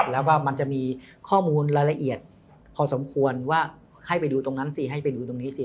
แล้วก็มันจะมีข้อมูลรายละเอียดพอสมควรว่าให้ไปดูตรงนั้นสิให้ไปดูตรงนี้สิ